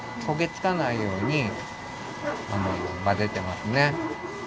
こげつかないようにまぜてますね。